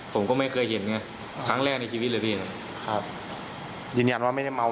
ผมก็ไม่เคยเห็นไงครั้งแรกในชีวิตเลยพี่ครับยืนยันว่าไม่ได้เมา